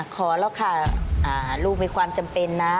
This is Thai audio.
ขอแล้วค่ะลูกมีความจำเป็นนะ